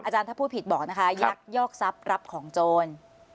ถ้าพูดผิดบอกนะคะยักยอกทรัพย์รับของโจร